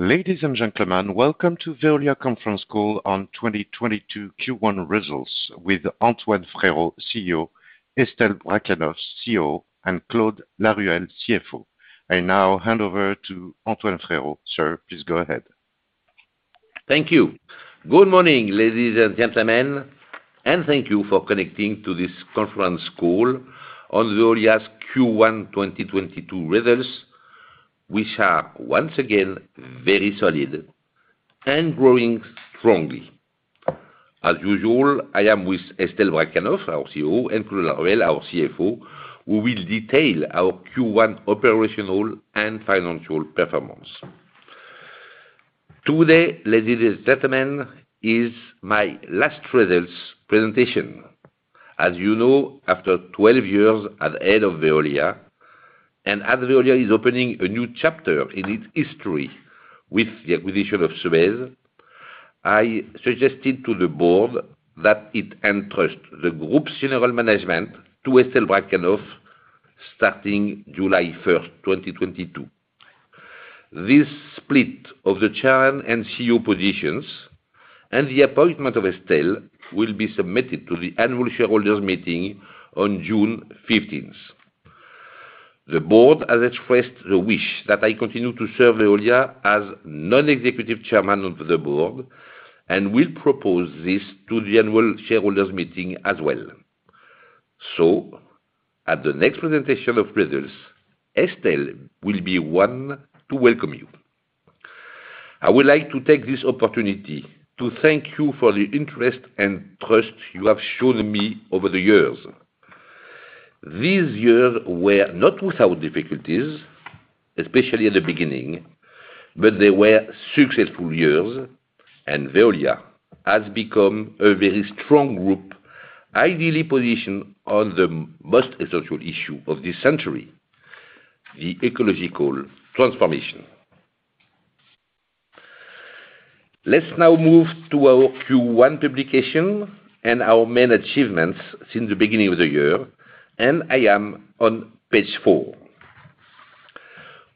Ladies and gentlemen, welcome to Veolia conference call on 2022 Q1 results with Antoine Frérot, CEO, Estelle Brachlianoff, COO, and Claude Laruelle, CFO. I now hand over to Antoine Frérot. Sir, please go ahead. Thank you. Good morning, ladies and gentlemen, and thank you for connecting to this conference call on Veolia's Q1 2022 results, which are once again very solid and growing strongly. As usual, I am with Estelle Brachlianoff, our COO, and Claude Laruelle, our CFO, who will detail our Q1 operational and financial performance. Today, ladies and gentlemen, is my last results presentation. As you know, after 12 years at head of Veolia, and as Veolia is opening a new chapter in its history with the acquisition of Suez, I suggested to the Board that it entrust the group's general management to Estelle Brachlianoff starting July 1st, 2022. This split of the chair and CEO positions and the appointment of Estelle will be submitted to the annual shareholders meeting on June 15th. The Board has expressed the wish that I continue to serve Veolia as non-executive chairman of the Board and will propose this to the annual shareholders meeting as well. At the next presentation of results, Estelle will be one to welcome you. I would like to take this opportunity to thank you for the interest and trust you have shown me over the years. These years were not without difficulties, especially at the beginning, but they were successful years and Veolia has become a very strong group, ideally positioned on the most essential issue of this century, the ecological transformation. Let's now move to our Q1 publication and our main achievements since the beginning of the year, and I am on page 4.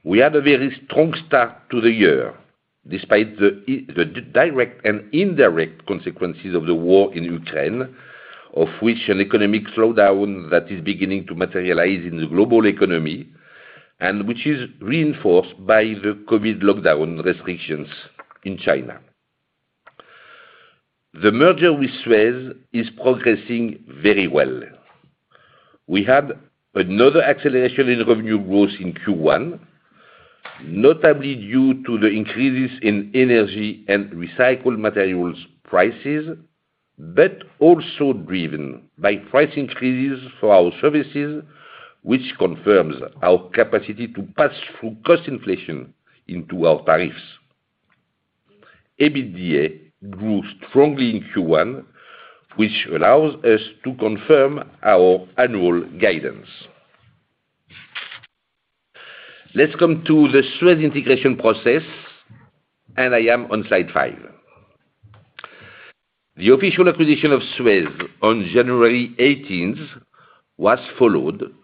We had a very strong start to the year despite the direct and indirect consequences of the war in Ukraine, of which an economic slowdown that is beginning to materialize in the global economy and which is reinforced by the COVID lockdown restrictions in China. The merger with Suez is progressing very well. We had another acceleration in revenue growth in Q1, notably due to the increases in energy and recycled materials prices, but also driven by price increases for our services, which confirms our capacity to pass through cost inflation into our tariffs. EBITDA grew strongly in Q1, which allows us to confirm our annual guidance. Let's come to the Suez integration process, and I am on slide5. The official acquisition of Suez on January 18th was followed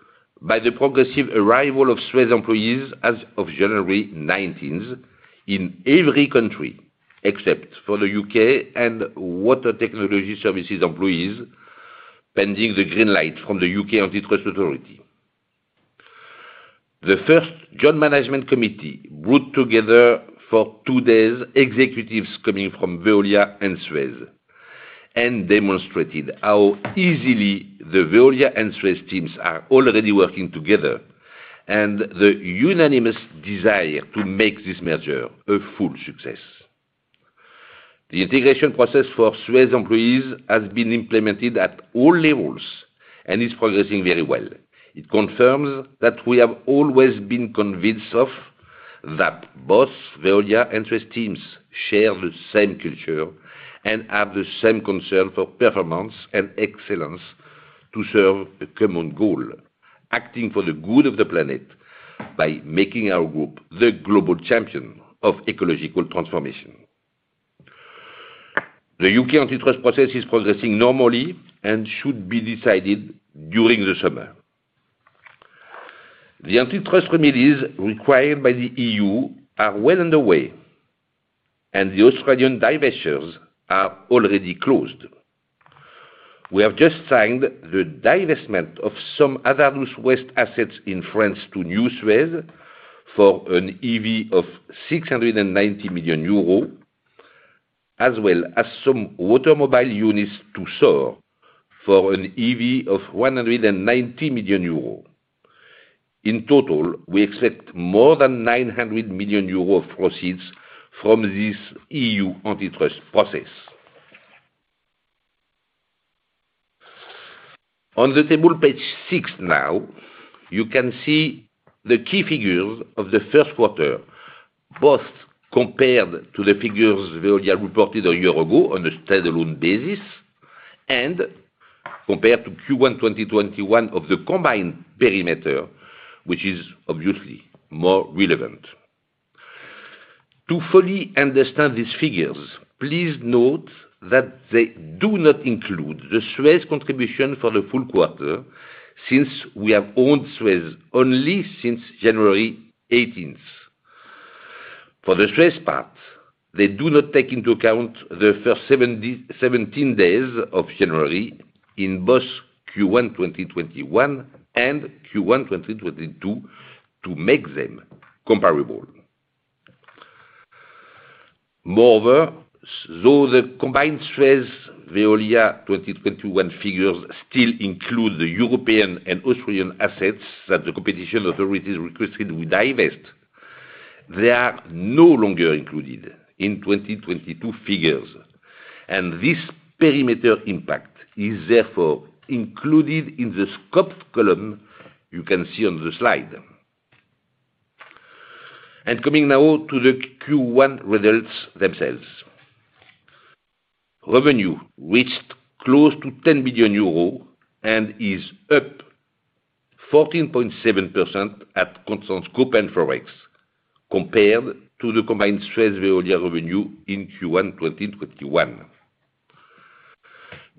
by the progressive arrival of Suez employees as of January 19th in every country, except for the U.K. and Water Technologies & Solutions employees, pending the green light from the U.K. antitrust authority. The first joint management committee brought together for two days executives coming from Veolia and Suez and demonstrated how easily the Veolia and Suez teams are already working together and the unanimous desire to make this merger a full success. The integration process for Suez employees has been implemented at all levels and is progressing very well. It confirms that we have always been convinced that both Veolia and Suez teams share the same culture and have the same concern for performance and excellence to serve a common goal, acting for the good of the planet by making our group the global champion of ecological transformation. The U.K. antitrust process is progressing normally and should be decided during the summer. The antitrust remedies required by the E.U. are well underway, and the Australian divestitures are already closed. We have just signed the divestment of some hazardous waste assets in France to New Suez for an EV of 690 million euros, as well as some water mobile units to Saur for an EV of 190 million euros. In total, we expect more than 900 million euros of proceeds from this E.U. antitrust process. On the table page 6 now, you can see the key figures of the first quarter, both compared to the figures Veolia reported a year ago on a standalone basis and compared to Q1 2021 of the combined perimeter, which is obviously more relevant. To fully understand these figures, please note that they do not include the Suez contribution for the full quarter. Since we have owned Suez only since January 18th. For the Suez part, they do not take into account the first 17 days of January in both Q1 2021 and Q1 2022 to make them comparable. Moreover, though the combined Suez Veolia 2021 figures still include the European and Australian assets that the competition authorities requested we divest, they are no longer included in 2022 figures, and this perimeter impact is therefore included in the scoped column you can see on the slide. Coming now to the Q1 results themselves. Revenue reached close to 10 billion euros and is up 14.7% at constant scope and Forex, compared to the combined Suez Veolia revenue in Q1 2021.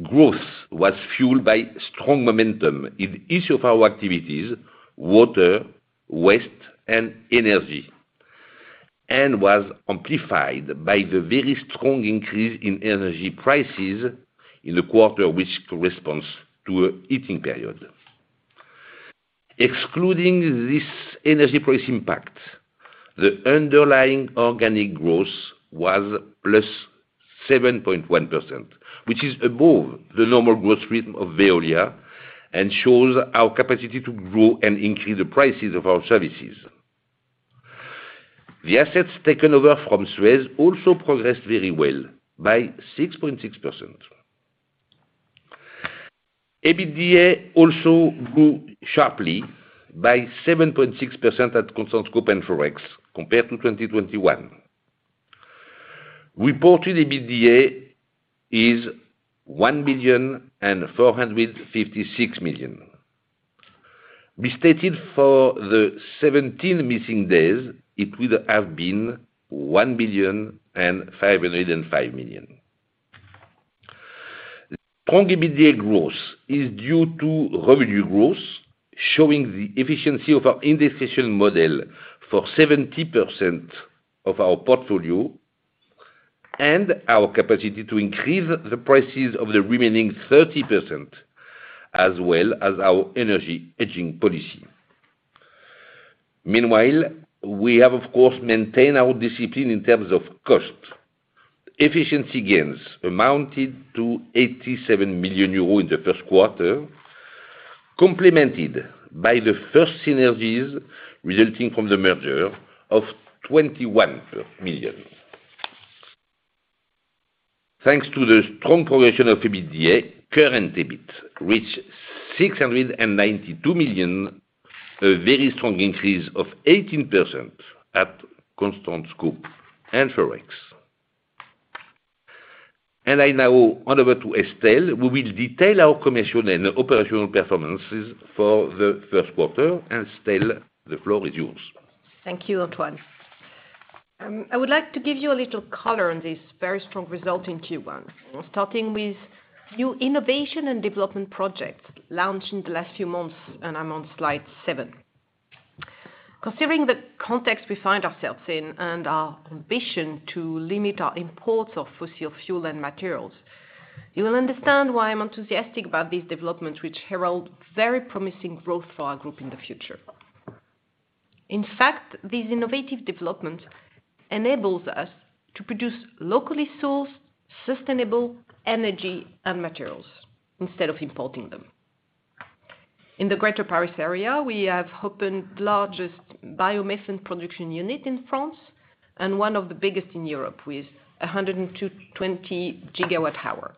Growth was fueled by strong momentum in each of our activities, water, waste, and energy, and was amplified by the very strong increase in energy prices in the quarter which corresponds to a heating period. Excluding this energy price impact, the underlying organic growth was +7.1%, which is above the normal growth rate of Veolia and shows our capacity to grow and increase the prices of our services. The assets taken over from Suez also progressed very well by 6.6%. EBITDA also grew sharply by 7.6% at constant scope and Forex compared to 2021. Reported EBITDA is EUR 1,456 million. Restated for the 17 missing days, it would have been 1,505 million. Strong EBITDA growth is due to revenue growth, showing the efficiency of our indexation model for 70% of our portfolio, and our capacity to increase the prices of the remaining 30%, as well as our energy hedging policy. Meanwhile, we have of course maintained our discipline in terms of cost. Efficiency gains amounted to 87 million euros in the first quarter, complemented by the first synergies resulting from the merger of 21 million. Thanks to the strong progression of EBITDA, current EBIT reached 692 million, a very strong increase of 18% at constant scope and Forex. I now hand over to Estelle, who will detail our commercial and operational performances for the first quarter. Estelle, the floor is yours. Thank you, Antoine. I would like to give you a little color on this very strong result in Q1. Starting with new innovation and development projects launched in the last few months, and I'm on slide 7. Considering the context we find ourselves in and our ambition to limit our imports of fossil fuel and materials, you will understand why I'm enthusiastic about these developments, which herald very promising growth for our group in the future. In fact, these innovative developments enables us to produce locally sourced, sustainable energy and materials instead of importing them. In the greater Paris area, we have opened largest biomethane production unit in France, and one of the biggest in Europe, with 120 GWh.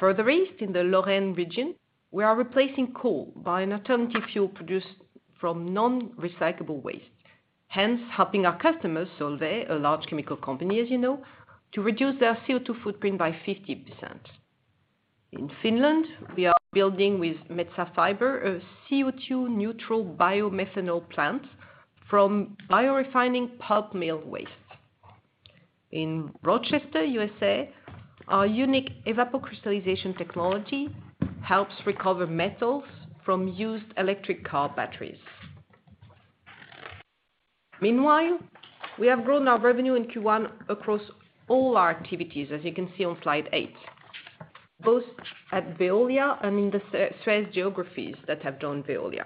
Further east, in the Lorraine region, we are replacing coal by an alternative fuel produced from non-recyclable waste, hence helping our customers, Solvay, a large chemical company, as you know, to reduce their CO2 footprint by 50%. In Finland, we are building with Metsä Fibre, a CO2 neutral bioethanol plant from biorefining pulp mill waste. In Rochester, U.S.A., our unique evapo-crystallization technology helps recover metals from used electric car batteries. Meanwhile, we have grown our revenue in Q1 across all our activities, as you can see on slide 8, both at Veolia and in the Suez geographies that have joined Veolia.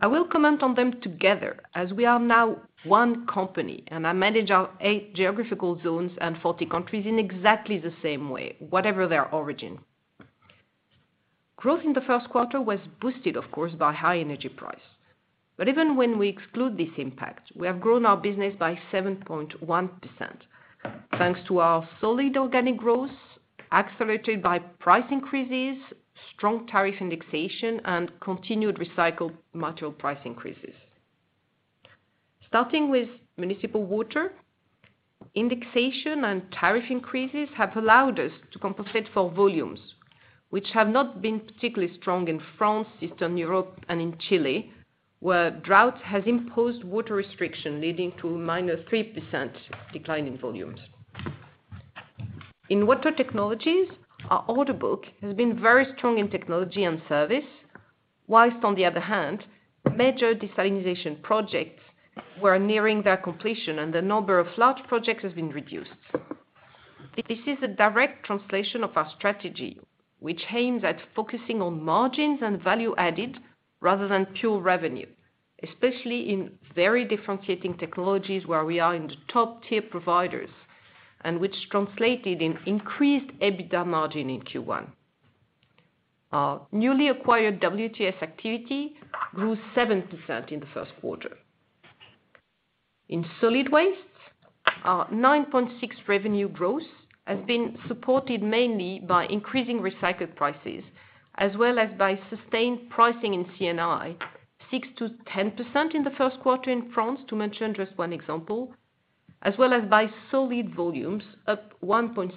I will comment on them together as we are now one company, and I manage our eight geographical zones and 40 countries in exactly the same way, whatever their origin. Growth in the first quarter was boosted, of course, by high energy price. Even when we exclude this impact, we have grown our business by 7.1%, thanks to our solid organic growth, accelerated by price increases, strong tariff indexation, and continued recycled material price increases. Starting with municipal water, indexation and tariff increases have allowed us to compensate for volumes, which have not been particularly strong in France, Eastern Europe, and in Chile, where drought has imposed water restriction, leading to a -3% decline in volumes. In water technologies, our order book has been very strong in technology and service, while on the other hand, major desalination projects were nearing their completion and the number of large projects has been reduced. This is a direct translation of our strategy, which aims at focusing on margins and value added rather than pure revenue, especially in very differentiating technologies where we are in the top tier providers and which translated into increased EBITDA margin in Q1. Our newly acquired WTS activity grew 7% in the first quarter. In solid waste, our 9.6% revenue growth has been supported mainly by increasing recycled prices as well as by sustained pricing in C&I, 6%-10% in the first quarter in France, to mention just one example, as well as by solid volumes, up 1.7%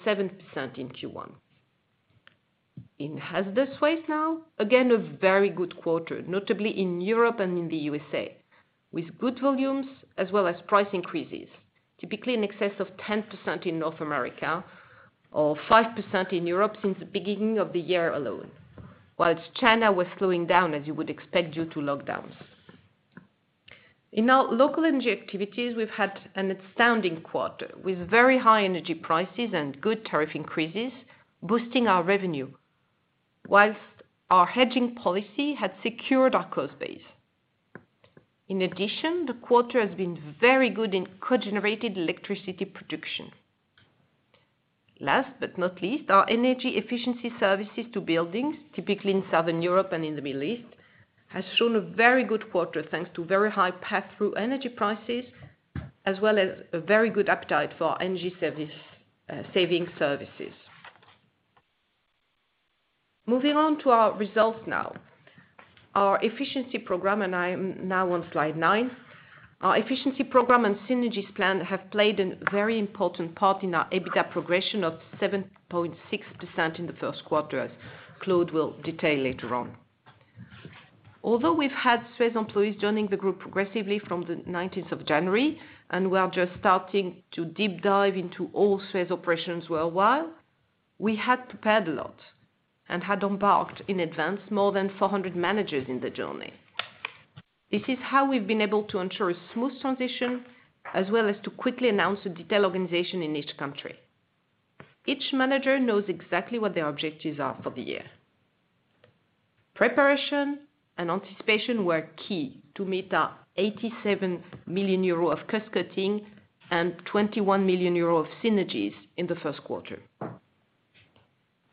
in Q1.nIn hazardous waste now, again, a very good quarter, notably in Europe and in the U.S.A., with good volumes as well as price increases. Typically in excess of 10% in North America or 5% in Europe since the beginning of the year alone. While China was slowing down as you would expect due to lockdowns. In our local energy activities, we've had an outstanding quarter with very high energy prices and good tariff increases boosting our revenue, while our hedging policy had secured our cost base. In addition, the quarter has been very good in cogenerated electricity production. Last but not least, our energy efficiency services to buildings, typically in Southern Europe and in the Middle East, has shown a very good quarter, thanks to very high pass-through energy prices as well as a very good appetite for energy service, saving services. Moving on to our results now. Our efficiency program, and I am now on slide 9. Our efficiency program and synergies plan have played a very important part in our EBITDA progression of 7.6% in the first quarter, as Claude will detail later on. Although we've had Suez employees joining the group progressively from the 19th of January, and we are just starting to deep dive into all Suez operations worldwide, we had prepared a lot and had embarked in advance more than 400 managers in the journey. This is how we've been able to ensure a smooth transition as well as to quickly announce the detailed organization in each country. Each manager knows exactly what their objectives are for the year. Preparation and anticipation were key to meet our 87 million euro of cost cutting and 21 million euro of synergies in the first quarter.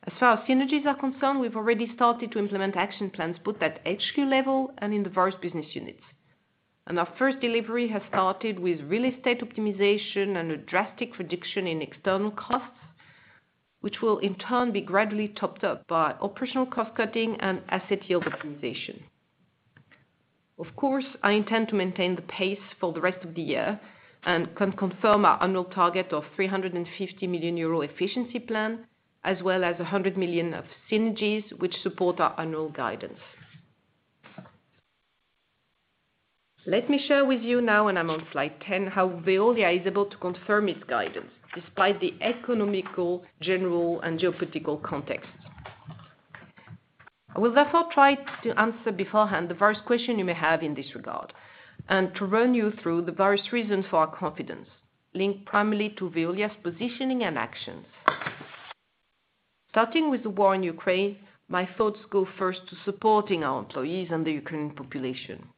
As far as synergies are concerned, we've already started to implement action plans, both at HQ level and in the various business units. Our first delivery has started with real estate optimization and a drastic reduction in external costs, which will in turn be gradually topped up by operational cost cutting and asset yield optimization. Of course, I intend to maintain the pace for the rest of the year and can confirm our annual target of 350 million euro efficiency plan, as well as 100 million of synergies which support our annual guidance. Let me share with you now, and I'm on slide 10, how Veolia is able to confirm its guidance despite the economic, general, and geopolitical context. I will therefore try to answer beforehand the various question you may have in this regard, and to run you through the various reasons for our confidence, linked primarily to Veolia's positioning and actions. Starting with the war in Ukraine, my thoughts go first to supporting our employees and the Ukrainian population.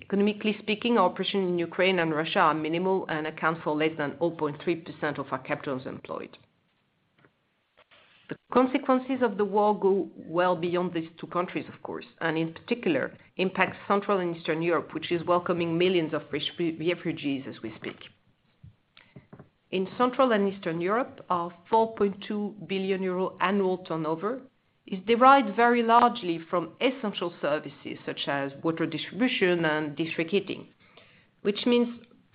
Economically speaking, our operations in Ukraine and Russia are minimal and account for less than 0.3% of our capital employed. The consequences of the war go well beyond these two countries, of course, and in particular impact Central and Eastern Europe, which is welcoming millions of the refugees as we speak. In Central and Eastern Europe, our 4.2 billion euro annual turnover is derived very largely from essential services such as water distribution and district heating, which means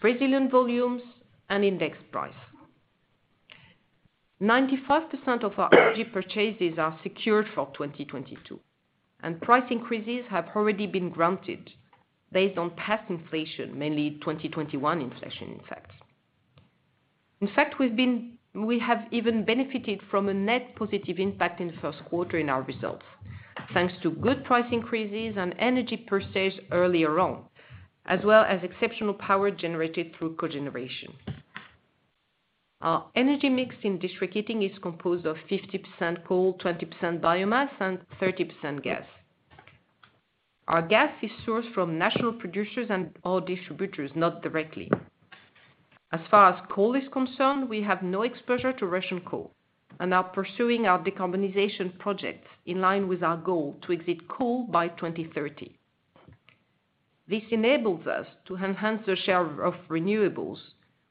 resilient volumes and indexed price. 95% of our energy purchases are secured for 2022, and price increases have already been granted based on past inflation, mainly 2021 inflation in fact. In fact, we have even benefited from a net positive impact in the first quarter in our results, thanks to good price increases on energy purchased earlier on, as well as exceptional power generated through cogeneration. Our energy mix in district heating is composed of 50% coal, 20% biomass, and 30% gas. Our gas is sourced from national producers and our distributors, not directly. As far as coal is concerned, we have no exposure to Russian coal and are pursuing our decarbonization projects in line with our goal to exit coal by 2030. This enables us to enhance the share of renewables,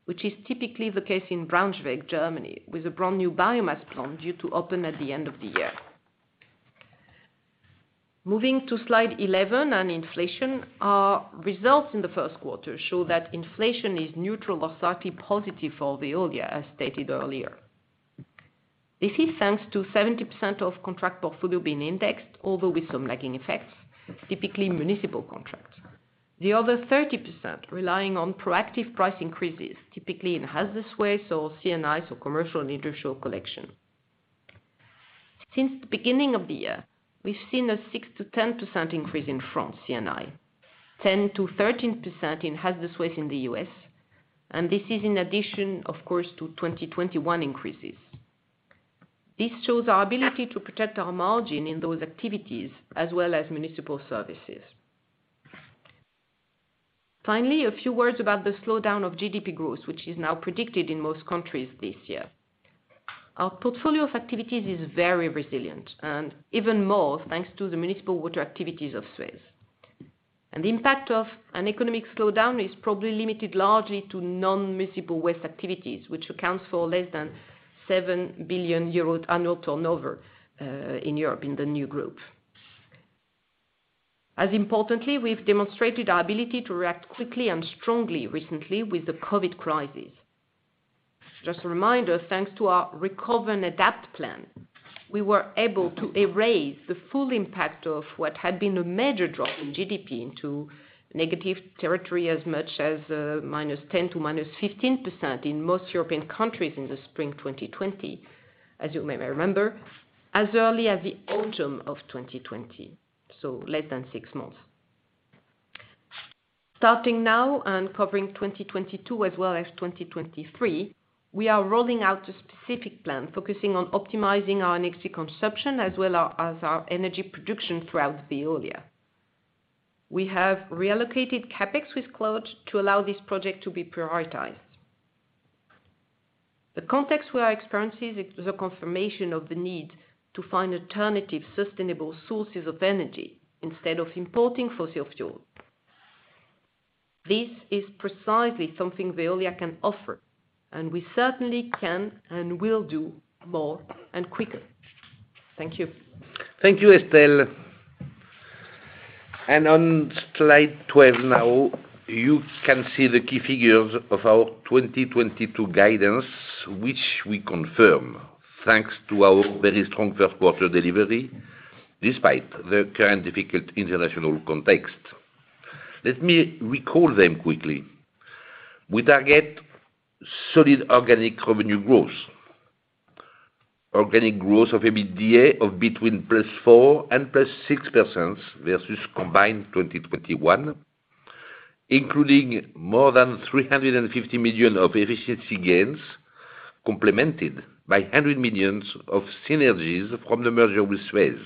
which is typically the case in Braunschweig, Germany, with a brand new biomass plant due to open at the end of the year. Moving to slide 11 on inflation. Our results in the first quarter show that inflation is neutral or slightly positive for Veolia, as stated earlier. This is thanks to 70% of contract portfolio being indexed, although with some lagging effects, typically municipal contracts. The other 30% relying on proactive price increases, typically in hazardous waste or C&Is, so commercial and industrial collection. Since the beginning of the year, we've seen a 6%-10% increase in France C&I, 10%-13% in hazardous waste in the U.S., and this is in addition, of course, to 2021 increases. This shows our ability to protect our margin in those activities as well as municipal services. Finally, a few words about the slowdown of GDP growth, which is now predicted in most countries this year. Our portfolio of activities is very resilient and even more thanks to the municipal water activities of Suez. The impact of an economic slowdown is probably limited largely to non-municipal waste activities, which accounts for less than 7 billion euros annual turnover, in Europe in the new group. As importantly, we've demonstrated our ability to react quickly and strongly recently with the COVID crisis. Just a reminder, thanks to our recover and adapt plan, we were able to erase the full impact of what had been a major drop in GDP into negative territory as much as, -10% to -15% in most European countries in the spring 2020, as you may remember, as early as the autumn of 2020, so less than six months. Starting now and covering 2022 as well as 2023, we are rolling out a specific plan focusing on optimizing our energy consumption as well as our energy production throughout Veolia. We have reallocated CapEx with Claude to allow this project to be prioritized. The context we are experiencing is a confirmation of the need to find alternative sustainable sources of energy instead of importing fossil fuel. This is precisely something Veolia can offer, and we certainly can and will do more and quicker. Thank you. Thank you, Estelle. On slide 12 now, you can see the key figures of our 2022 guidance, which we confirm thanks to our very strong first quarter delivery, despite the current difficult international context. Let me recall them quickly. We target solid organic revenue growth. Organic growth of EBITDA of between +4% and +6% versus combined 2021, including more than 350 million of efficiency gains, complemented by 100 million of synergies from the merger with Suez.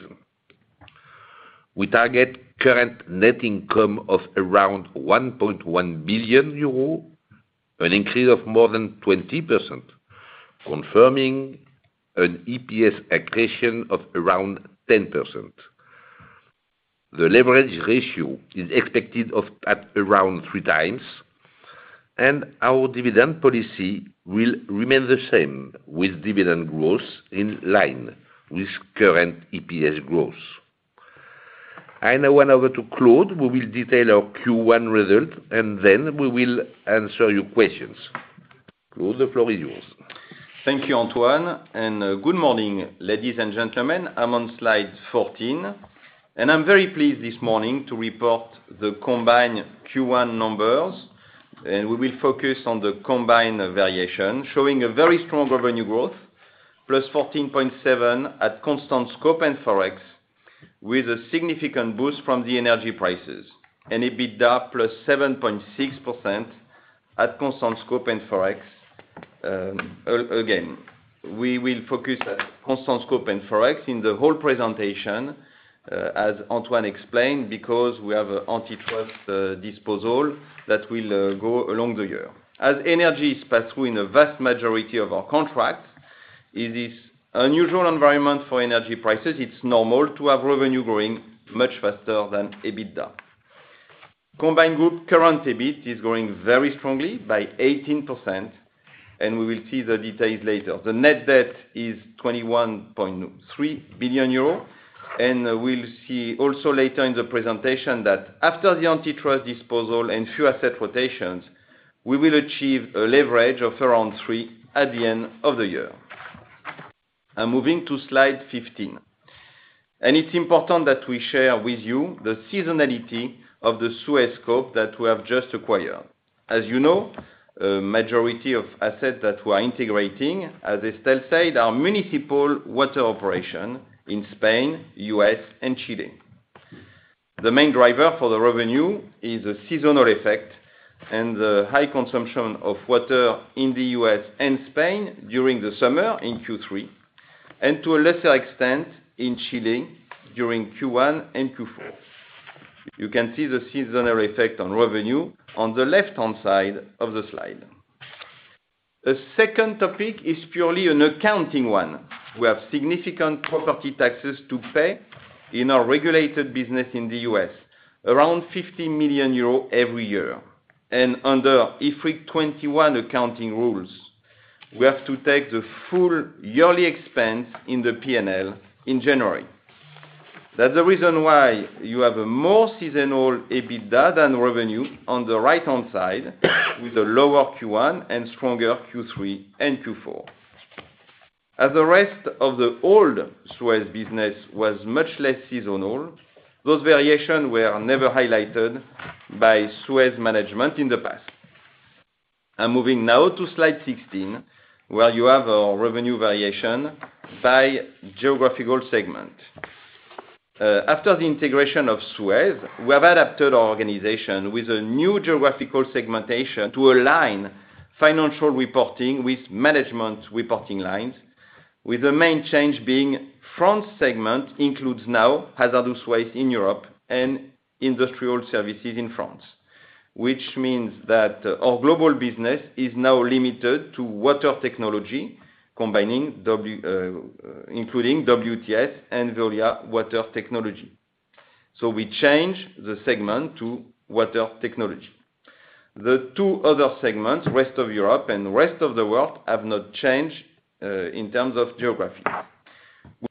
We target current net income of around 1.1 billion euro, an increase of more than 20%, confirming an EPS accretion of around 10%. The leverage ratio is expected of, at around 3x, and our dividend policy will remain the same, with dividend growth in line with current EPS growth. I now hand over to Claude, who will detail our Q1 result, and then we will answer your questions. Claude, the floor is yours. Thank you, Antoine, and good morning, ladies and gentlemen. I'm on slide 14, and I'm very pleased this morning to report the combined Q1 numbers, and we will focus on the combined variation, showing a very strong revenue growth, plus 14.7 at constant scope and Forex, with a significant boost from the energy prices, and EBITDA +7.6% at constant scope and Forex. Again, we will focus at constant scope and Forex in the whole presentation, as Antoine explained, because we have antitrust disposal that will go along the year. As energy is pass-through in the vast majority of our contracts, in this unusual environment for energy prices, it's normal to have revenue growing much faster than EBITDA. Combined group current EBIT is growing very strongly by 18%, and we will see the details later. The net debt is 21.3 billion euros, and we'll see also later in the presentation that after the antitrust disposal and few asset rotations, we will achieve a leverage of around three at the end of the year. I'm moving to slide 15, and it's important that we share with you the seasonality of the Suez scope that we have just acquired. As you know, a majority of assets that we are integrating, as Estelle said, are municipal water operation in Spain, U.S., and Chile. The main driver for the revenue is a seasonal effect and the high consumption of water in the U.S. and Spain during the summer in Q3, and to a lesser extent in Chile during Q1 and Q4. You can see the seasonal effect on revenue on the left-hand side of the slide. A second topic is purely an accounting one. We have significant property taxes to pay in our regulated business in the U.S., around 50 million euros every year. Under IFRIC 21 accounting rules, we have to take the full yearly expense in the P&L in January. That's the reason why you have a more seasonal EBITDA than revenue on the right-hand side with a lower Q1 and stronger Q3 and Q4. As the rest of the old Suez business was much less seasonal, those variations were never highlighted by Suez management in the past. I'm moving now to slide 16, where you have our revenue variation by geographical segment. After the integration of Suez, we have adapted our organization with a new geographical segmentation to align financial reporting with management reporting lines, with the main change being France segment includes now hazardous waste in Europe and industrial services in France, which means that our global business is now limited to water technology including WTS and Veolia Water Technologies. We change the segment to water technology. The two other segments, rest of Europe and rest of the world, have not changed in terms of geography.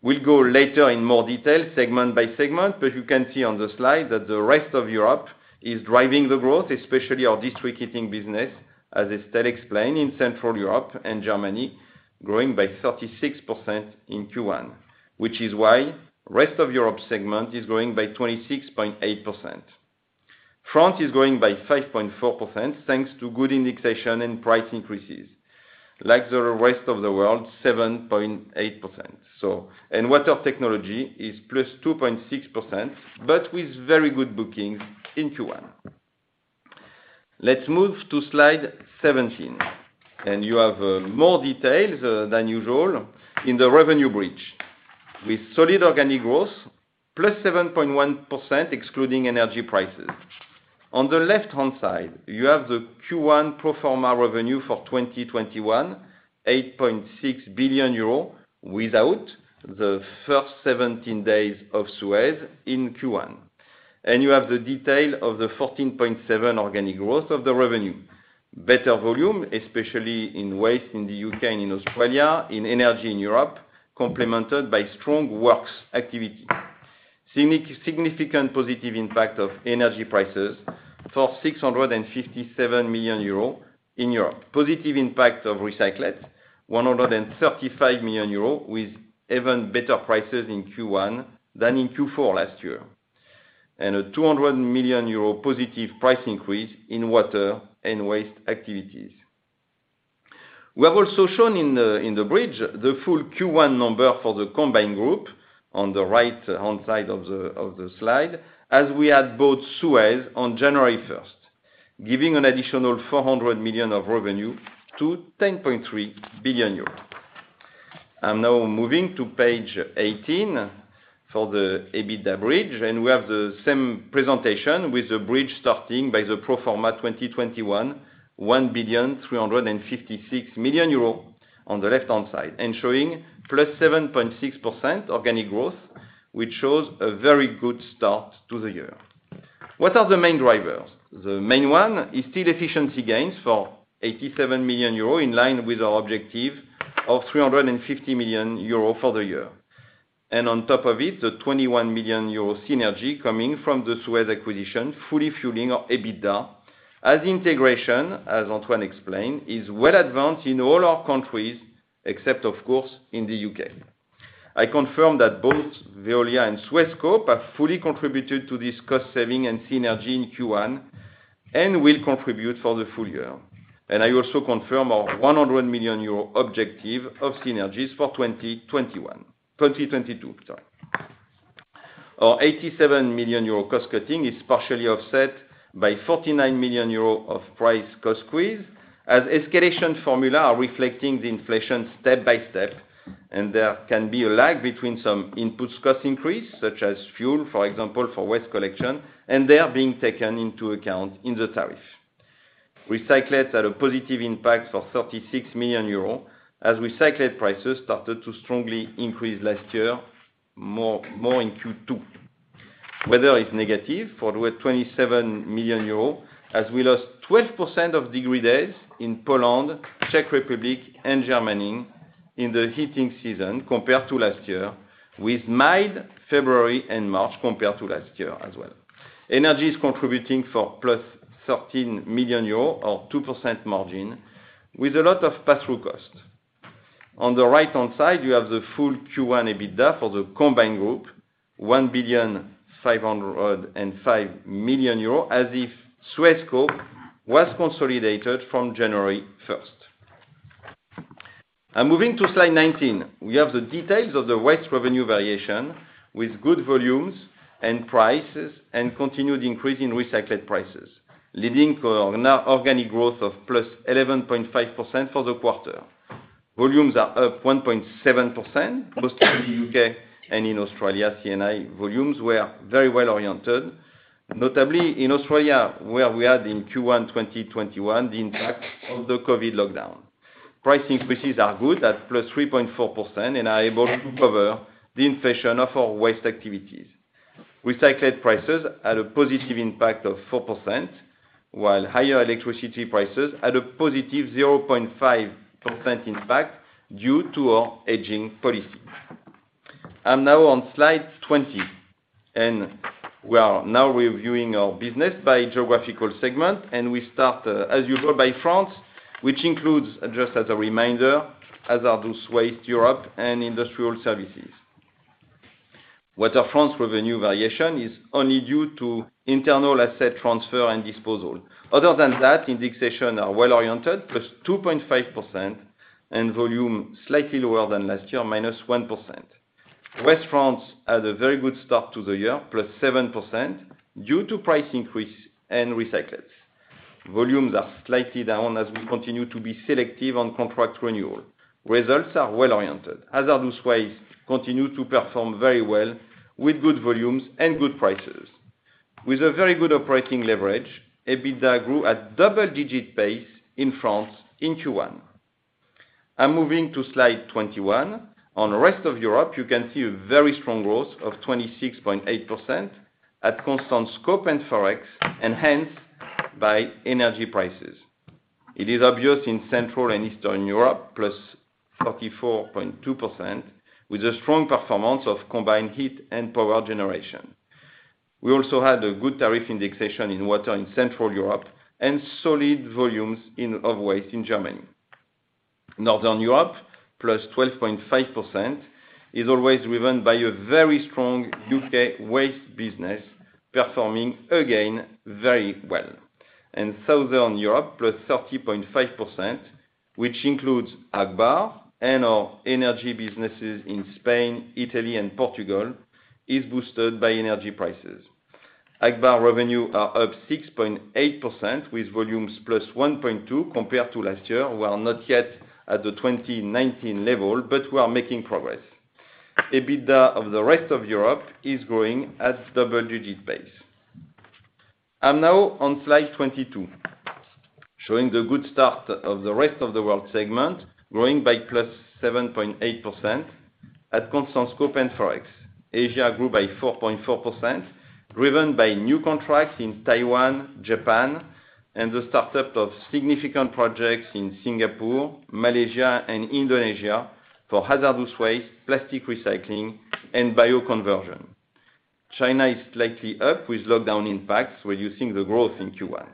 We'll go later in more detail segment by segment, but you can see on the slide that the rest of Europe is driving the growth, especially our district heating business, as Estelle explained, in Central Europe and Germany, growing by 36% in Q1, which is why rest of Europe segment is growing by 26.8%. France is growing by 5.4%, thanks to good indexation and price increases. Like the rest of the world, 7.8%. Water technology is + 2.6%, but with very good bookings in Q1. Let's move to slide 17. You have more details than usual in the revenue bridge, with solid organic growth, +7.1% excluding energy prices. On the left-hand side, you have the Q1 pro forma revenue for 2021, 8.6 billion euros without the first 17 days of Suez in Q1. You have the detail of the 14.7% organic growth of the revenue. Better volume, especially in waste in the U.K. and in Australia, in energy in Europe, complemented by strong works activity. Significant positive impact of energy prices for 657 million euros in Europe. Positive impact of recyclates, 135 million euros, with even better prices in Q1 than in Q4 last year. 200 million euro positive price increase in water and waste activities. We have also shown in the bridge the full Q1 number for the combined group on the right-hand side of the slide, as we had bought Suez on January 1st, giving an additional 400 million of revenue to 10.3 billion euros. I'm now moving to page 18 for the EBITDA bridge, and we have the same presentation with the bridge starting by the pro forma 2021, 1.356 billion euros on the left-hand side, and showing +7.6% organic growth, which shows a very good start to the year. What are the main drivers? The main one is still efficiency gains for 87 million euros, in line with our objective of 350 million euros for the year. On top of it, the 21 million euros synergy coming from the Suez acquisition, fully fueling our EBITDA and integration, as Antoine explained, is well advanced in all our countries, except of course, in the U.K. I confirm that both Veolia and Suez scope have fully contributed to this cost saving and synergy in Q1 and will contribute for the full year. I also confirm our 100 million euro objective of synergies for 2021. 2022, sorry. Our 87 million euro cost cutting is partially offset by 49 million euro of price cost squeeze as escalation formula are reflecting the inflation step by step, and there can be a lag between some inputs cost increase, such as fuel, for example, for waste collection, and they are being taken into account in the tariff. Recyclates had a positive impact of 36 million euros as recyclate prices started to strongly increase last year, more in Q2. Weather is negative for the waste 27 million euros, as we lost 12% of degree days in Poland, Czech Republic, and Germany in the heating season compared to last year, with mild February and March compared to last year as well. Energy is contributing for +13 million euros or 2% margin with a lot of pass-through cost. On the right-hand side, you have the full Q1 EBITDA for the combined group, 1.505 billion, as if Suez scope was consolidated from January 1st. I'm moving to slide 19. We have the details of the waste revenue variation with good volumes and prices and continued increase in recyclate prices, leading to an organic growth of +11.5% for the quarter. Volumes are up 1.7%, mostly in the U.K. and in Australia. C&I volumes were very well oriented, notably in Australia, where we had in Q1 2021 the impact of the COVID lockdown. Price increases are good at +3.4% and are able to cover the inflation of our waste activities. Recycled prices had a positive impact of 4%, while higher electricity prices had a +0.5% impact due to our hedging policy. I'm now on slide 20, and we are now reviewing our business by geographical segment, and we start, as usual, by France, which includes, just as a reminder, hazardous waste Europe and industrial services. Water France revenue variation is only due to internal asset transfer and disposal. Other than that, indexation are well-oriented, +2.5%, and volume slightly lower than last year, -1%. Waste France had a very good start to the year, +7% due to price increase and recyclates. Volumes are slightly down as we continue to be selective on contract renewal. Results are well-oriented. Hazardous waste continue to perform very well with good volumes and good prices. With a very good operating leverage, EBITDA grew at double-digit pace in France in Q1. I'm moving to slide 21. On rest of Europe, you can see a very strong growth of 26.8% at constant scope and Forex, enhanced by energy prices. It is obvious in Central and Eastern Europe, +44.2%, with a strong performance of combined heat and power generation. We also had a good tariff indexation in water in Central Europe and solid volumes of waste in Germany. Northern Europe, +12.5%, is always driven by a very strong U.K. waste business, performing again very well. In Southern Europe, +30.5%, which includes Agbar and our energy businesses in Spain, Italy, and Portugal, is boosted by energy prices. Agbar revenue are up 6.8% with volumes +1.2 compared to last year. We are not yet at the 2019 level, but we are making progress. EBITDA of the rest of Europe is growing at double-digit pace. I'm now on slide 22, showing the good start of the rest of the world segment, growing by +7.8% at constant scope and Forex. Asia grew by 4.4%, driven by new contracts in Taiwan, Japan, and the startup of significant projects in Singapore, Malaysia, and Indonesia for hazardous waste, plastic recycling, and bioconversion. China is slightly up with lockdown impacts, reducing the growth in Q1.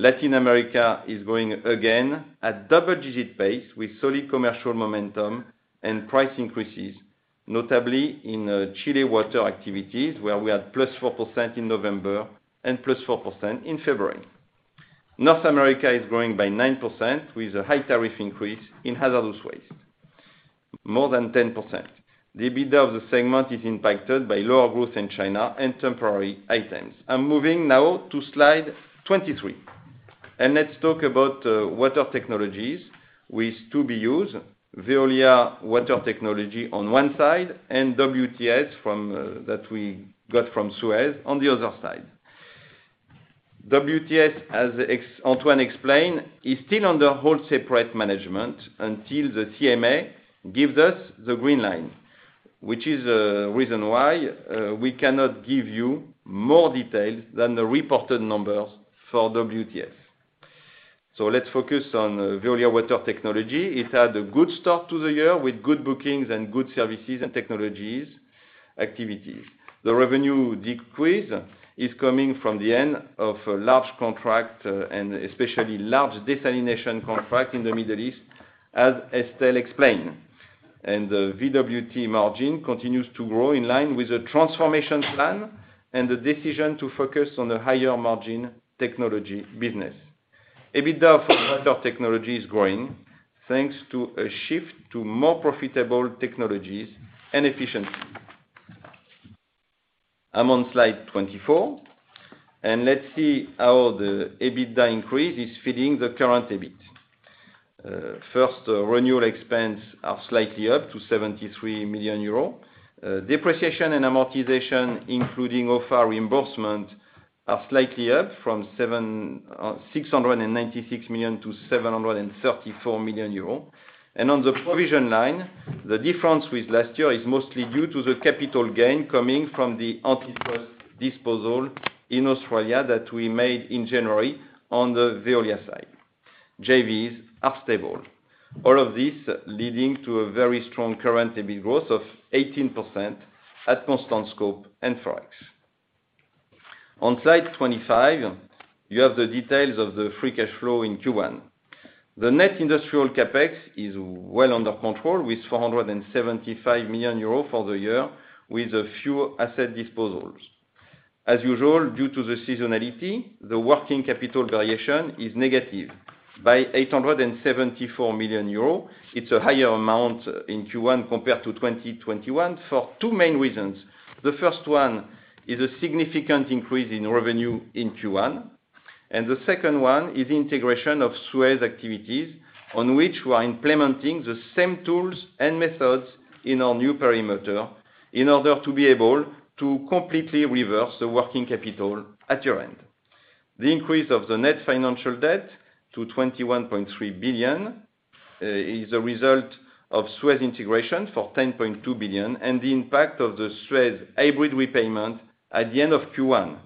Latin America is growing again at double-digit pace with solid commercial momentum and price increases, notably in Chile water activities, where we had +4% in November and +4% in February. North America is growing by 9% with a high tariff increase in hazardous waste, more than 10%. The EBITDA of the segment is impacted by lower growth in China and temporary items. I'm moving now to slide 23, and let's talk about water technologies with two BUs, Veolia Water Technologies on one side and WTS from that we got from Suez on the other side. WTS, as Antoine explained, is still under wholly separate management until the CMA gives us the green light, which is the reason why we cannot give you more details than the reported numbers for WTS. Let's focus on Veolia Water Technologies. It had a good start to the year with good bookings and good services and technologies activities. The revenue decrease is coming from the end of a large contract, and especially large desalination contract in the Middle East, as Estelle explained. The VWT margin continues to grow in line with the transformation plan and the decision to focus on the higher margin technology business. EBITDA for water technology is growing thanks to a shift to more profitable technologies and efficiency. I'm on slide 24, and let's see how the EBITDA increase is feeding the current EBIT. First, renewal expense are slightly up to 73 million euros. Depreciation and amortization, including OFA reimbursement, are slightly up from 696 million to 734 million euros. On the provision line, the difference with last year is mostly due to the capital gain coming from the antitrust disposal in Australia that we made in January on the Veolia side. JVs are stable. All of this leading to a very strong current EBIT growth of 18% at constant scope and Forex. On slide 25, you have the details of the free cash flow in Q1. The net industrial CapEx is well under control, with 475 million euros for the year, with a few asset disposals. As usual, due to the seasonality, the working capital variation is negative by 874 million euros. It's a higher amount in Q1 compared to 2021 for two main reasons. The first one is a significant increase in revenue in Q1, and the second one is integration of Suez activities, on which we are implementing the same tools and methods in our new perimeter in order to be able to completely reverse the working capital at year-end. The increase of the net financial debt to 21.3 billion is a result of Suez integration for 10.2 billion and the impact of the Suez hybrid repayment at the end of Q1.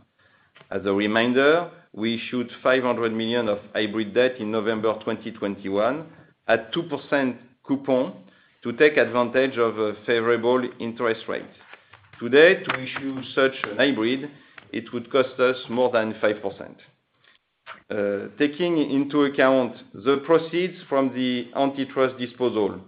As a reminder, we issued 500 million of hybrid debt in November of 2021 at 2% coupon to take advantage of a favorable interest rate. Today, to issue such a hybrid, it would cost us more than 5%. Taking into account the proceeds from the antitrust disposal,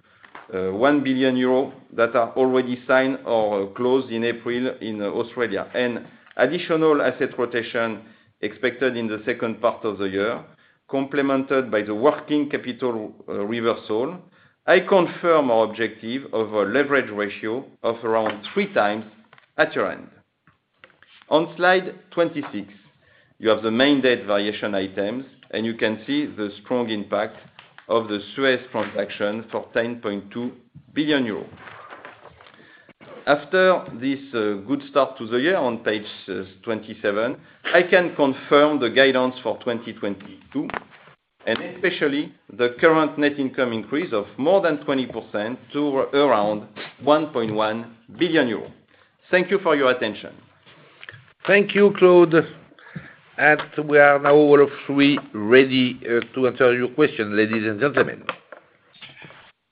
1 billion euro that are already signed or closed in April in Australia and additional asset rotation expected in the second part of the year, complemented by the working capital reversal, I confirm our objective of a leverage ratio of around 3x at year-end. On slide 26, you have the main debt variation items, and you can see the strong impact of the Suez transaction for 10.2 billion euros. After this good start to the year on page 27, I can confirm the guidance for 2022 and especially the current net income increase of more than 20% to around 1.1 billion euros. Thank you for your attention. Thank you, Claude. We are now all three ready to answer your questions, ladies and gentlemen.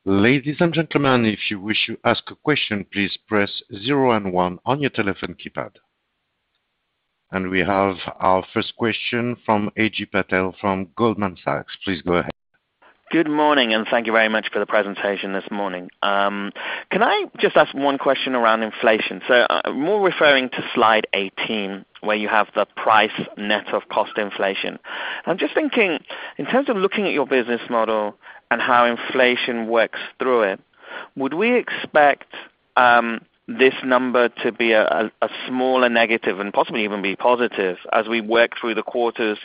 Ladies and gentlemen, if you wish to ask a question, please press zero and one on your telephone keypad. We have our first question from Ajay Patel from Goldman Sachs. Please go ahead. Good morning, and thank you very much for the presentation this morning. Can I just ask one question around inflation? More referring to slide 18, where you have the price net of cost inflation. I'm just thinking, in terms of looking at your business model and how inflation works through it, would we expect this number to be a smaller negative and possibly even be positive as we work through the quarters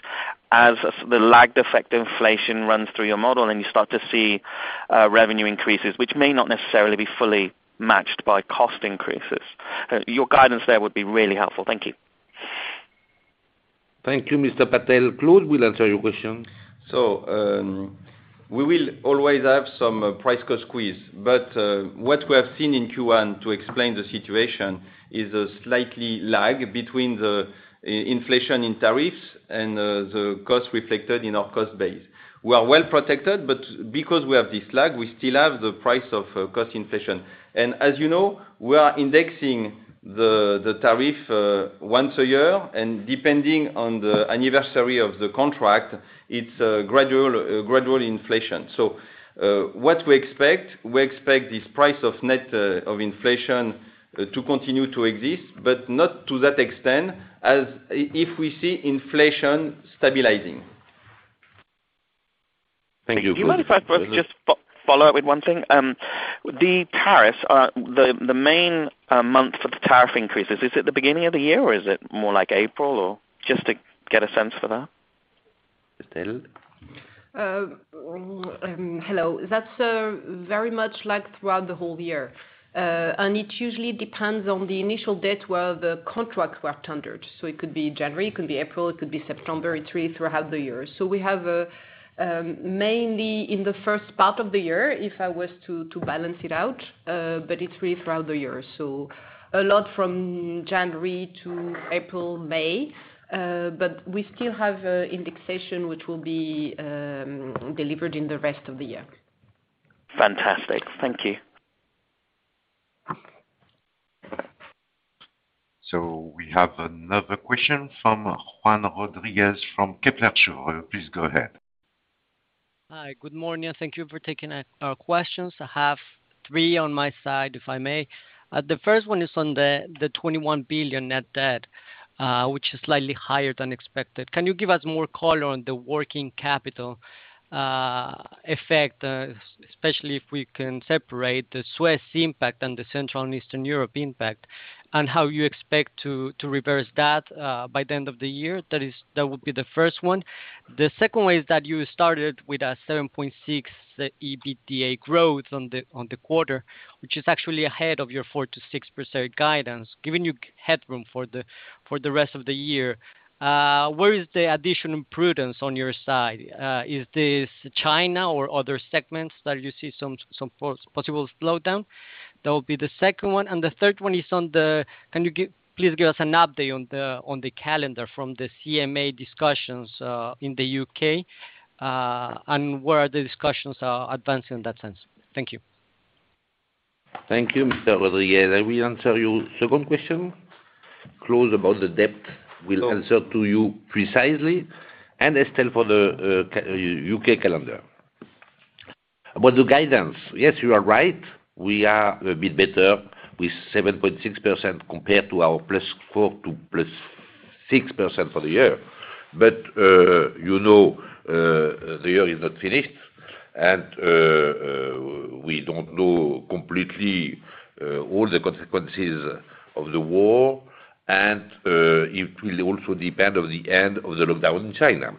as the lagged effect inflation runs through your model and you start to see revenue increases, which may not necessarily be fully matched by cost increases? Your guidance there would be really helpful. Thank you. Thank you, Mr. Patel. Claude will answer your question. We will always have some price-cost squeeze. What we have seen in Q1 to explain the situation is a slight lag between the inflation in tariffs and the cost reflected in our cost base. We are well protected, but because we have this lag, we still have the price-cost inflation. As you know, we are indexing the tariff once a year, and depending on the anniversary of the contract, it's a gradual inflation. What we expect this price-cost net inflation to continue to exist, but not to that extent as if we see inflation stabilizing. Thank you. Do you mind if I first just follow up with one thing? The tariffs are the main month for the tariff increases. Is it the beginning of the year, or is it more like April, or just to get a sense for that? Estelle? Hello. That's very much like throughout the whole year. It usually depends on the initial date where the contracts were tendered. It could be January, it could be April, it could be September. It's really throughout the year. We have a mainly in the first part of the year, if I was to balance it out, but it's really throughout the year. A lot from January to April, May, but we still have indexation, which will be delivered in the rest of the year. Fantastic. Thank you. We have another question from Juan Rodriguez from Kepler Cheuvreux. Please go ahead. Hi. Good morning, and thank you for taking our questions. I have three on my side, if I may. The first one is on the 21 billion net debt, which is slightly higher than expected. Can you give us more color on the working capital effect, especially if we can separate the Suez impact and the Central and Eastern Europe impact, and how you expect to reverse that by the end of the year? That would be the first one. The second one is that you started with a 7.6% EBITDA growth on the quarter, which is actually ahead of your 4%-6% guidance, giving you headroom for the rest of the year. Where is the additional prudence on your side? Is this China or other segments that you see some possible slowdown? That would be the second one. The third one is on the calendar from the CMA discussions in the U.K. and where the discussions are advancing in that sense. Thank you. Thank you, Mr. Rodriguez. I will answer your second question. Claude, about the debt, will answer to you precisely, and Estelle for the U.K. calendar. About the guidance, yes, you are right. We are a bit better with 7.6% compared to our +4% to +6% for the year. You know, the year is not finished, and we don't know completely all the consequences of the war, and it will also depend on the end of the lockdown in China.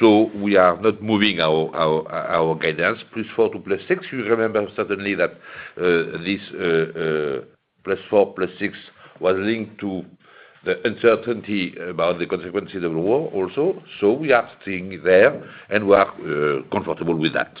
We are not moving our guidance +4% to +6%. You remember certainly that this +4% to +6% was linked to the uncertainty about the consequences of the war also. We are staying there, and we are comfortable with that.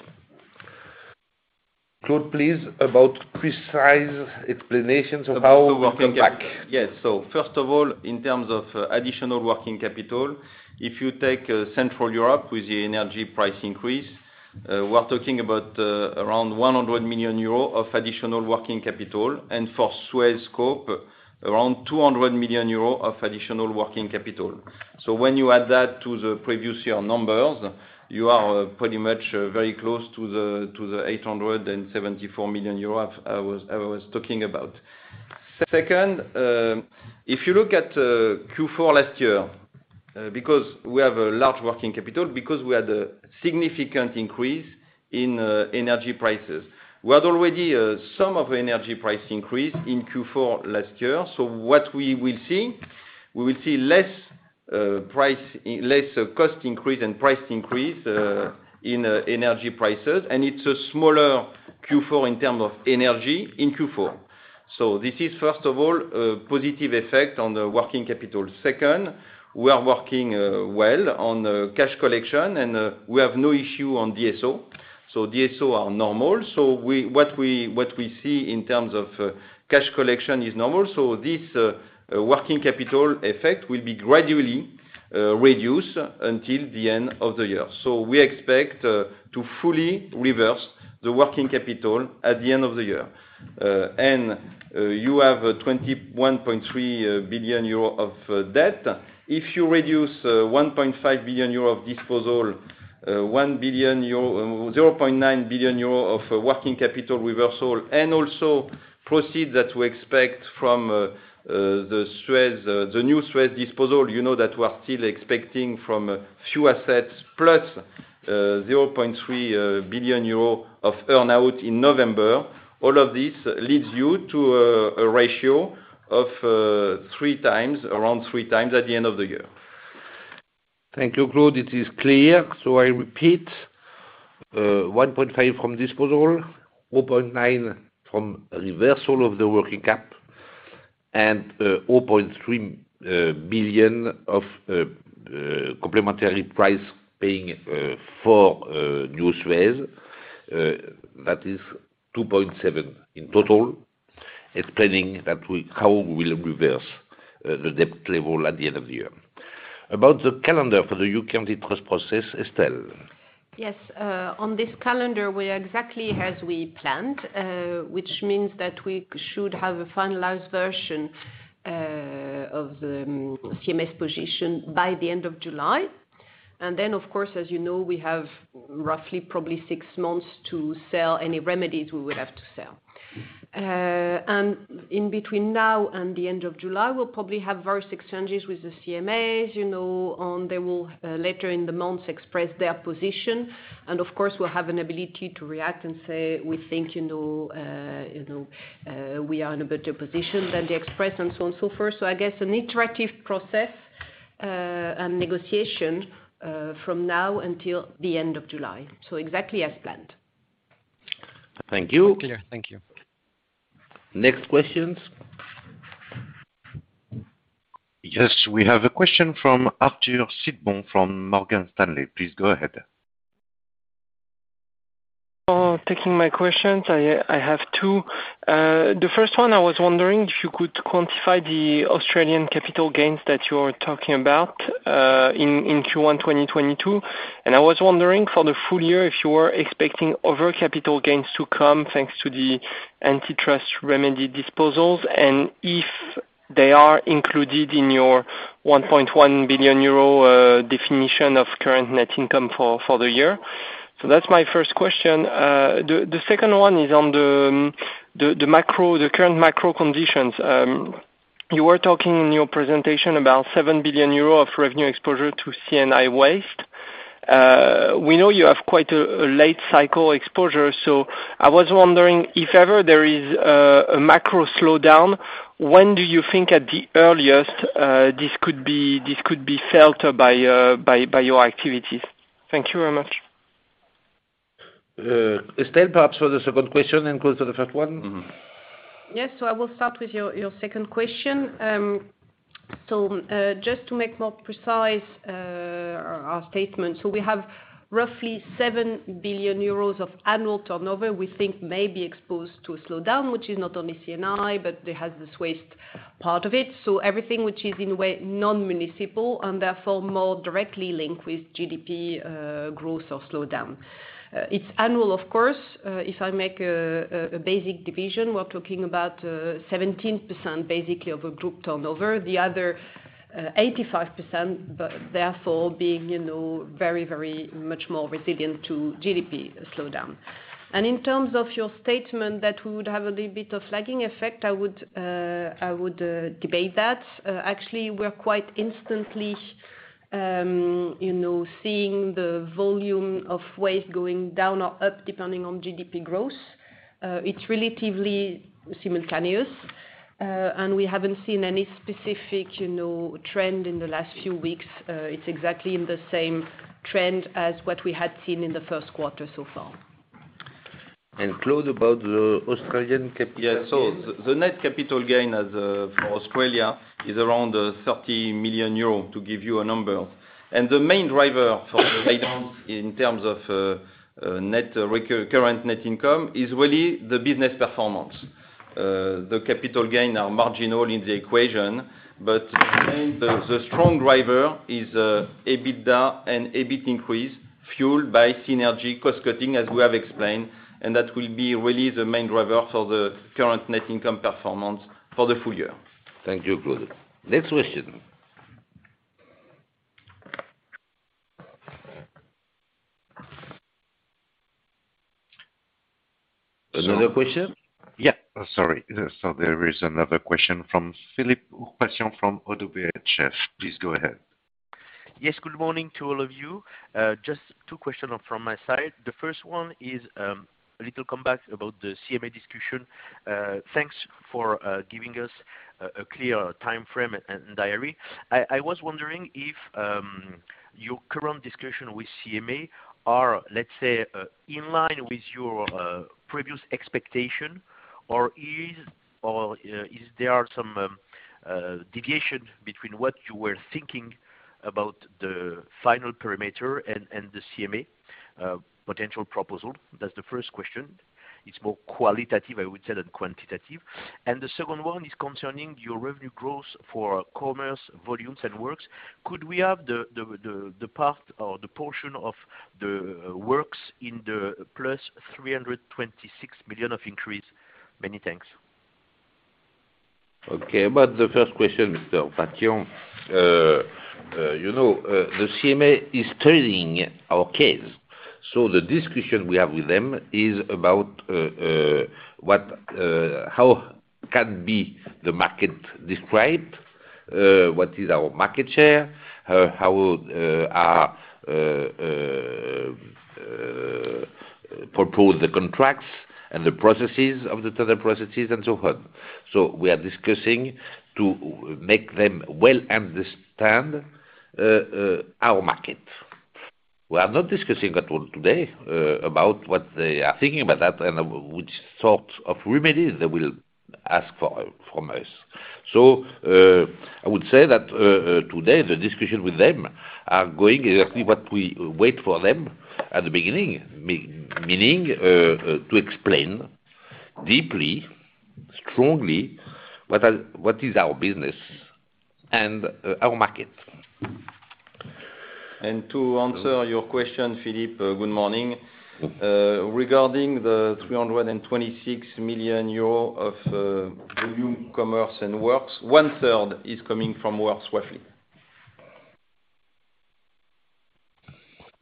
Claude, please, about precise explanations of how to come back. Yes. First of all, in terms of additional working capital, if you take Central Europe with the energy price increase, we're talking about around 100 million euros of additional working capital. For Suez scope, around 200 million euros of additional working capital. When you add that to the previous year numbers, you are pretty much very close to the 874 million euro I was talking about. Second, if you look at Q4 last year, because we have a large working capital, because we had a significant increase in energy prices. We had already some of energy price increase in Q4 last year. What we will see is less price, less cost increase and price increase in energy prices. It's a smaller Q4 in terms of energy in Q4. This is, first of all, a positive effect on the working capital. Second, we are working well on cash collection, and we have no issue on DSO. DSO are normal. What we see in terms of cash collection is normal. This working capital effect will be gradually reduced until the end of the year. We expect to fully reverse the working capital at the end of the year. You have 21.3 billion euro of debt. If you reduce 1.5 billion euro of disposal, 1 billion euro, 0.9 billion euro of working capital reversal, and also proceeds that we expect from the Suez, the New Suez disposal, you know that we are still expecting from fewer assets, plus 0.3 billion euro of earn-out in November. All of this leads you to a ratio of 3x, around 3x at the end of the year. Thank you, Claude. It is clear. I repeat, 1.5 from disposal, 0.9 from reversal of the working capital and 0.3 billion of complementary price payment for New Suez. That is 2.7 in total, explaining how we'll reverse the debt level at the end of the year. About the calendar for the U.K. antitrust process, Estelle. Yes, on this calendar, we are exactly as we planned, which means that we should have a finalized version of the CMA position by the end of July. Then, of course, as you know, we have roughly probably six months to sell any remedies we would have to sell. In between now and the end of July, we'll probably have various exchanges with the CMAs, you know, on they will later in the months express their position. Of course, we'll have an ability to react and say, we think, you know, you know, we are in a better position than they express and so on and so forth. I guess an interactive process and negotiation from now until the end of July. Exactly as planned. Thank you. Clear. Thank you. Next questions. Yes, we have a question from Arthur Sitbon from Morgan Stanley. Please go ahead. Taking my questions. I have two. The first one, I was wondering if you could quantify the Australian capital gains that you are talking about in Q1 2022. I was wondering for the full year, if you were expecting other capital gains to come thanks to the antitrust remedy disposals, and if they are included in your 1.1 billion euro definition of current net income for the year. That's my first question. The second one is on the current macro conditions. You were talking in your presentation about 7 billion euro of revenue exposure to C&I waste. We know you have quite a late cycle exposure. I was wondering if ever there is a macro slowdown, when do you think at the earliest this could be felt by your activities? Thank you very much. Estelle, perhaps for the second question and Claude for the first one. Yes. I will start with your second question. Just to make more precise our statement. We have roughly 7 billion euros of annual turnover we think may be exposed to a slowdown, which is not only C&I, but it has this waste part of it. Everything which is in a way non-municipal and therefore more directly linked with GDP growth or slowdown. It's annual of course. If I make a basic division, we're talking about 17% basically of a group turnover, the other 85%, but therefore being, you know, very, very much more resilient to GDP slowdown. In terms of your statement that we would have a little bit of lagging effect, I would debate that. Actually, we're quite instantly, you know, seeing the volume of waste going down or up, depending on GDP growth. It's relatively simultaneous. We haven't seen any specific, you know, trend in the last few weeks. It's exactly in the same trend as what we had seen in the first quarter so far. Claude, about the Australian capital gain. Yeah. The net capital gain as for Australia is around 30 million euros, to give you a number. The main driver for the items in terms of current net income is really the business performance. The capital gain are marginal in the equation, but the strong driver is EBITDA and EBIT increase fueled by synergy cost cutting, as we have explained, and that will be really the main driver for the current net income performance for the full year. Thank you, Claude. Next question. Another question? Yeah. Sorry. There is another question from Philippe Ourpatian from ODDO BHF. Please go ahead. Yes. Good morning to all of you. Just two questions from my side. The first one is a little comeback about the CMA discussion. Thanks for giving us a clear timeframe and diary. I was wondering if your current discussions with CMA are in line with your previous expectation or is there some deviation between what you were thinking about the final parameter and the CMA potential proposal. That's the first question. It's more qualitative, I would say, than quantitative. The second one is concerning your revenue growth for commercial, volumes and works. Could we have the part or the portion of the works in the +326 million of increase. Many thanks. Okay. About the first question, Mr. Ourpatian. You know, the CMA is studying our case, so the discussion we have with them is about how can be the market described, what is our market share, how are proposed the contracts and the processes of the tender processes and so on. We are discussing to make them well understand our market. We are not discussing at all today about what they are thinking about that and which sort of remedies they will ask for from us. I would say that today, the discussion with them are going exactly what we wait for them at the beginning, meaning to explain deeply, strongly, what is our business and our market. To answer your question, Philippe. Good morning. Regarding the 326 million euro of volume commerce and works, one-third is coming from works traffic.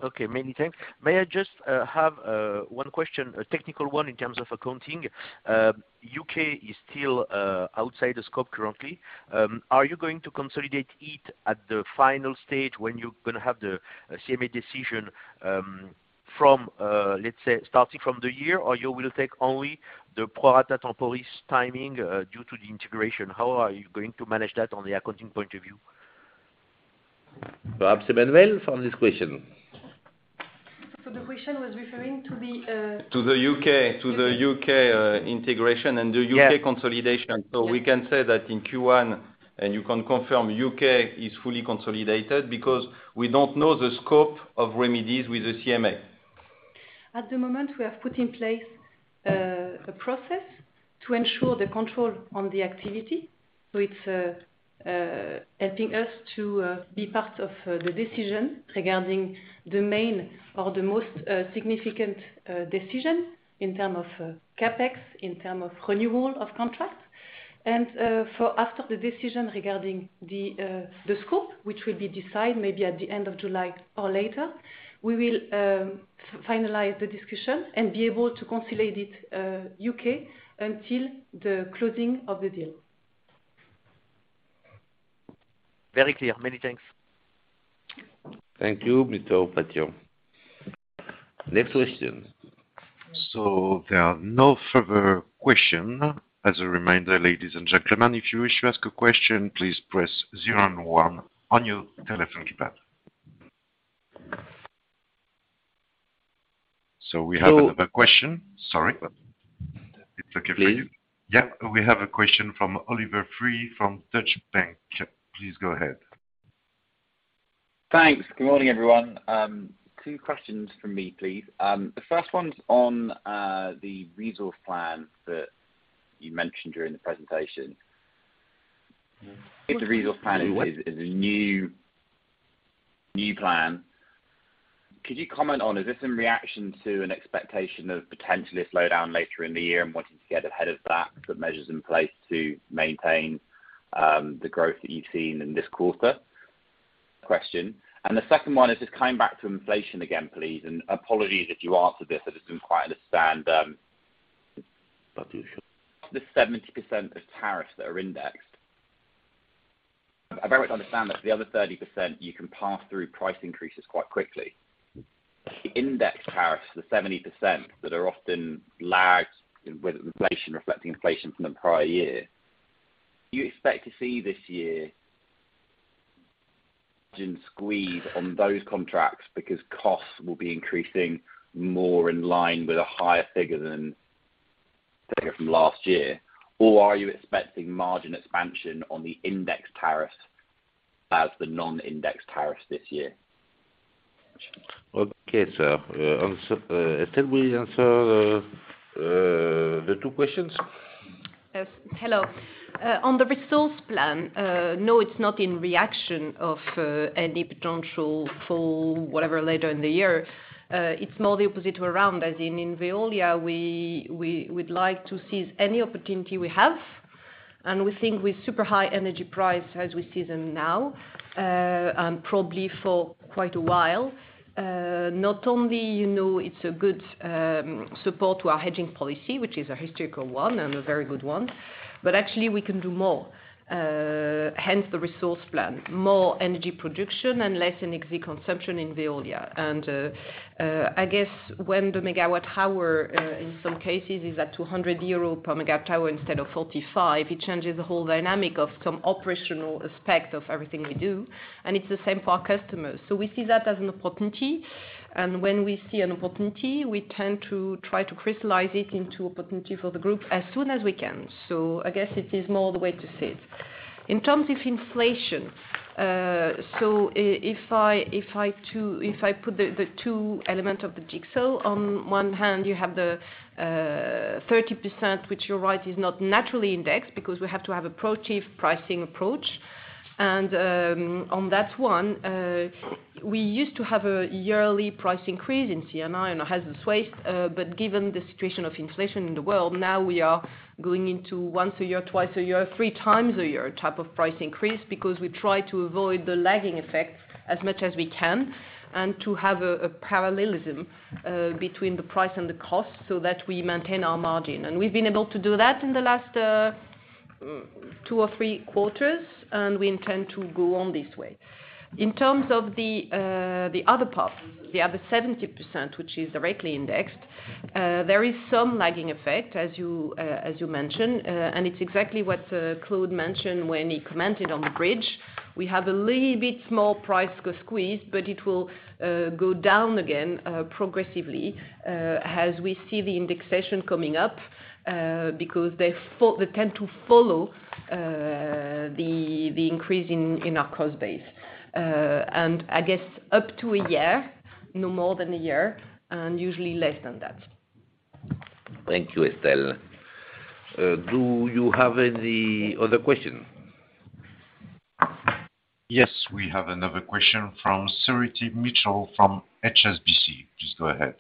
Okay. Many thanks. May I just have one question, a technical one in terms of accounting? U.K. is still outside the scope currently. Are you going to consolidate it at the final stage when you're gonna have the CMA decision, from let's say, starting from the year, or you will take only the pro rata temporis timing, due to the integration? How are you going to manage that on the accounting point of view? Perhaps Emmanuelle for this question. The question was referring to the- To the U.K., integration and the U.K. consolidation. Yeah. We can say that in Q1, and you can confirm U.K. is fully consolidated because we don't know the scope of remedies with the CMA. At the moment, we have put in place a process to ensure the control on the activity. It's helping us to be part of the decision regarding the main or the most significant decision in terms of CapEx, in terms of renewal of contracts. After the decision regarding the scope, which will be decided maybe at the end of July or later, we will finalize the discussion and be able to consolidate U.K. until the closing of the deal. Very clear. Many thanks. Thank you, Mr. Ourpatian. Next question. There are no further question. As a reminder, ladies and gentlemen, if you wish to ask a question, please press zero and one on your telephone keypad. We have another question. Sorry. It's okay for you? Please. Yeah, we have a question from Olly Jeffery from Deutsche Bank. Please go ahead. Thanks. Good morning, everyone. Two questions from me, please. The first one's on the resource plan that you mentioned during the presentation. If the resource plan is a new plan, could you comment on, is this in reaction to an expectation of potentially a slowdown later in the year and wanting to get ahead of that, put measures in place to maintain the growth that you've seen in this quarter? First question. The second one is just coming back to inflation again, please, and apologies if you answered this, I just didn't quite understand. You should. The 70% of tariffs that are indexed. I very much understand that the other 30% you can pass through price increases quite quickly. Index tariffs, the 70% that are often lagged with inflation, reflecting inflation from the prior year. Do you expect to see this year margin squeeze on those contracts because costs will be increasing more in line with a higher figure than from last year? Or are you expecting margin expansion on the index tariffs as the non-index tariffs this year? Estelle will answer the two questions. Yes. Hello. On the resource plan, no, it's not in reaction to any potential fall, whatever, later in the year. It's more the opposite way around. As in Veolia we would like to seize any opportunity we have. We think with super high energy prices as we see them now, and probably for quite a while, not only, you know, it's a good support to our hedging policy, which is a historical one, and a very good one, but actually we can do more. Hence the resource plan. More energy production and less energy consumption in Veolia. I guess when the megawatt-hour, in some cases is at 200 euro per MWh instead of 45, it changes the whole dynamic of some operational aspect of everything we do. It's the same for our customers. We see that as an opportunity. When we see an opportunity, we tend to try to crystallize it into opportunity for the group as soon as we can. I guess it is more the way to say it. In terms of inflation, if I put the two elements of the jigsaw, on one hand you have the 30%, which you're right, is not naturally indexed because we have to have a proactive pricing approach. On that one, we used to have a yearly price increase in C&I, and it hasn't swayed, but given the situation of inflation in the world, now we are going into once a year, twice a year, three times a year type of price increase because we try to avoid the lagging effect as much as we can, and to have a parallelism between the price and the cost so that we maintain our margin. We've been able to do that in the last two or three quarters, and we intend to go on this way. In terms of the other part, the other 70%, which is directly indexed, there is some lagging effect as you mentioned, and it's exactly what Claude mentioned when he commented on the bridge. We have a little bit small price squeeze, but it will go down again progressively as we see the indexation coming up because they tend to follow the increase in our cost base. I guess up to a year, no more than a year, and usually less than that. Thank you, Estelle. Do you have any other question? Yes, we have another question from Verity Mitchell from HSBC. Please go ahead.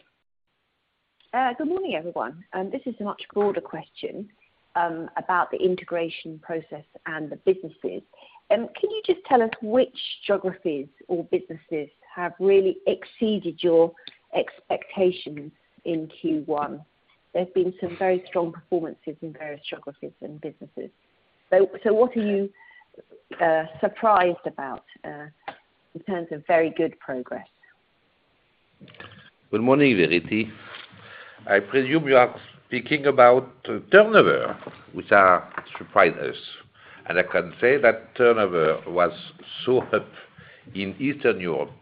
Good morning, everyone. This is a much broader question about the integration process and the businesses. Can you just tell us which geographies or businesses have really exceeded your expectations in Q1? There have been some very strong performances in various geographies and businesses. What are you surprised about in terms of very good progress? Good morning, Verity. I presume you are speaking about turnover, which are surprises. I can say that turnover was so up in Eastern Europe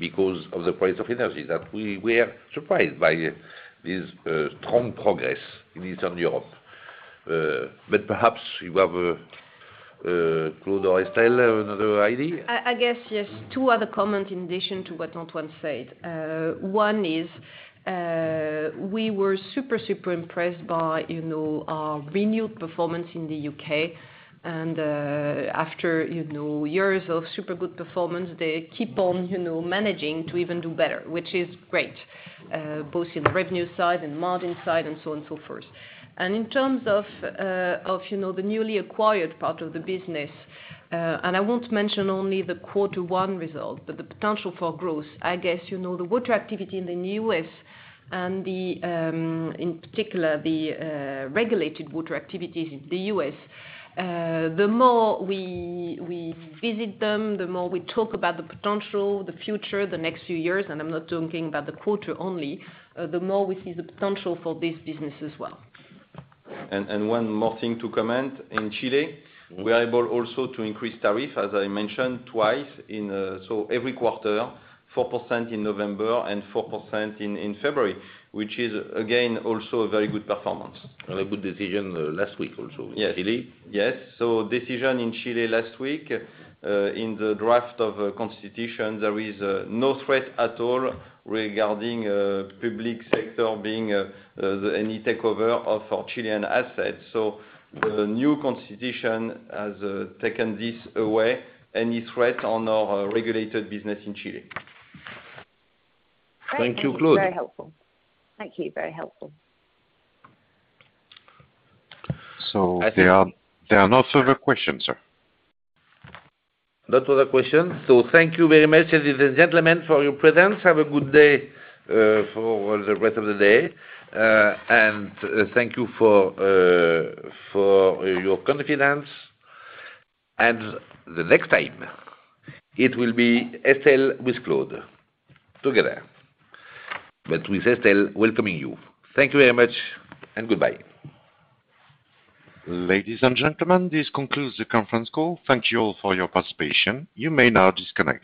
because of the price of energy, that we were surprised by this strong progress in Eastern Europe. Perhaps you have another idea, Claude or Estelle. I guess yes. Two other comments in addition to what Antoine said. One is, we were super impressed by, you know, our renewed performance in the UK. After, you know, years of super good performance, they keep on, you know, managing to even do better, which is great, both in the revenue side and margin side, and so on and so forth. In terms of, you know, the newly acquired part of the business, and I won't mention only the quarter one result, but the potential for growth, I guess, you know, the water activity in the U.S. and, in particular, the regulated water activities in the U.S., the more we visit them, the more we talk about the potential, the future, the next few years, and I'm not talking about the quarter only, the more we see the potential for this business as well. One more thing to comment. In Chile, we are able also to increase tariff, as I mentioned twice in so every quarter, 4% in November and 4% in February, which is again, also a very good performance. A good decision last week also in Chile. Yes. Decision in Chile last week, in the draft of a constitution, there is no threat at all regarding public sector being any takeover of our Chilean assets. The new constitution has taken this away, any threat on our regulated business in Chile. Thank you, Claude. Great. That was very helpful. Thank you. Very helpful. There are no further questions, sir. No further questions. Thank you very much, ladies and gentlemen, for your presence. Have a good day, for all the rest of the day. Thank you for your confidence. The next time it will be Estelle with Claude together, but with Estelle welcoming you. Thank you very much and goodbye. Ladies and gentlemen, this concludes the conference call. Thank you all for your participation. You may now disconnect.